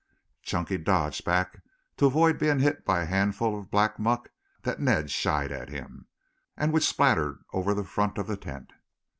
Chunky dodged back to avoid being hit by a handful of black muck that Ned shied at him, and which spattered over the front of the tent.